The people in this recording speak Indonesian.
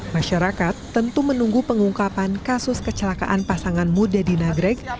masyarakat tentu menunggu pengungkapan kasus kecelakaan pasangan muda di nagrek